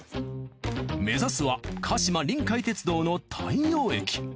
目指すは鹿島臨海鉄道の大洋駅。